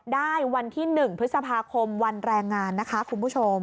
ได้วันที่๑พฤษภาคมวันแรงงานนะคะคุณผู้ชม